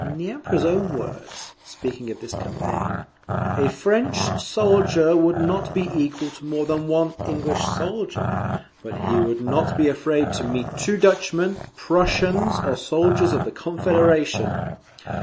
In the Emperor's own words, speaking of this campaign, "A French soldier would not be equal to more than one English soldier, but he would not be afraid to meet two Dutchmen, Prussians, or soldiers of the Confederation."